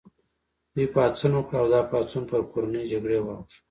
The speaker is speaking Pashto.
دوی پاڅون وکړ او دا پاڅون پر کورنۍ جګړې واوښت.